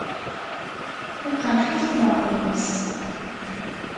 Yeqreḥ-it ubeṛdi-nnes.